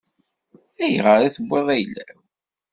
Ayɣer i tewwiḍ ayla-w?